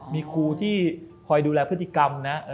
มีครูที่คอยดูแลพฤติกรรมนะ